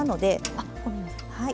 あっごめんなさい。